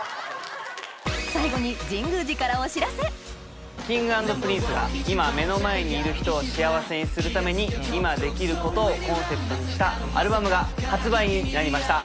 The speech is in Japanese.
最後にＫｉｎｇ＆Ｐｒｉｎｃｅが「今目の前にいる人を幸せにするために今できること」をコンセプトにしたアルバムが発売になりました。